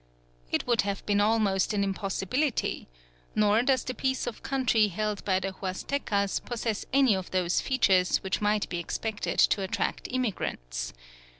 It would have been almost an impossibility; nor does the piece of country held by the Huastecas possess any of those features which might be expected to attract immigrants.